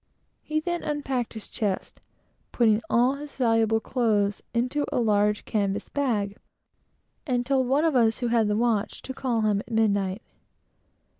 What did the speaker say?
He then unpacked his chest, putting all his valuable clothes into a large canvas bag, and told one of us, who had the watch, to call him at midnight.